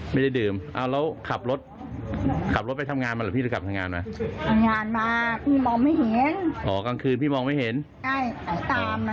สายตาสั้นแล้วรู้ไหมว่าชนเขาพี่แรงขนาดนี้รู้ไหม